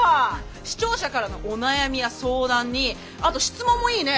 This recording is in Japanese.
視聴者からのお悩みや相談にあと質問もいいね